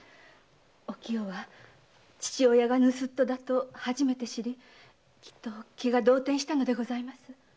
お清は父親が盗っ人だと初めて知り気が動転したのでございます。